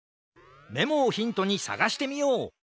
メモをヒントにさがしてみよう！